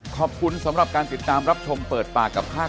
มุมนักวิจักรการมุมประชาชนทั่วไป